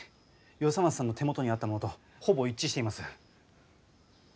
与三松さんの手元にあったものとほぼ一致しています。